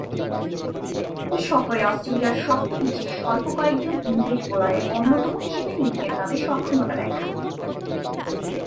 এ সফরে অস্ট্রেলিয়ার শক্ত পিচে স্বল্প কয়েকজন ইংরেজ বোলারের অন্যতম হিসেবে উইকেট লাভে সক্ষমতা দেখান।